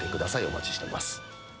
お待ちしております。